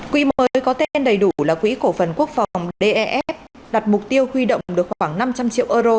quỹ mới có tên đầy đủ là quỹ cổ phần quốc phòng def đặt mục tiêu huy động được khoảng năm trăm linh triệu euro